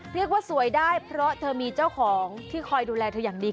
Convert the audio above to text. เรียกว่าสวยได้เพราะเธอมีเจ้าของที่คอยดูแลเธออย่างดี